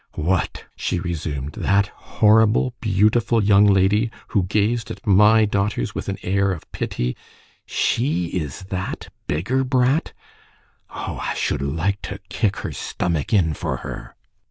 "What!" she resumed, "that horrible, beautiful young lady, who gazed at my daughters with an air of pity,—she is that beggar brat! Oh! I should like to kick her stomach in for her!"